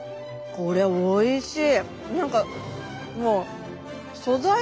これおいしい。